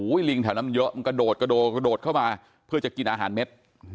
ลิงแถวนั้นเยอะมันกระโดดกระโดดเข้ามาเพื่อจะกินอาหารเม็ด